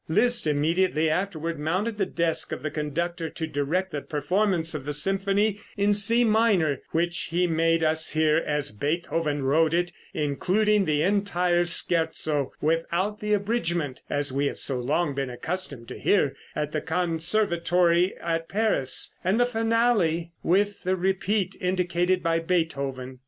Liszt immediately afterward mounted the desk of the conductor to direct the performance of the symphony in C minor, which he made us hear as Beethoven wrote it, including the entire scherzo, without the abridgment, as we have so long been accustomed to hear at the Conservatory at Paris; and the finale, with the repeat indicated by Beethoven.